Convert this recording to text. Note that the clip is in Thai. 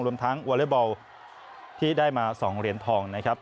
รวมทั้งวอเล็กบอลที่ได้มา๒เหรียญทองนะครับ